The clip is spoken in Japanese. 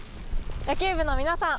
野球部のみなさん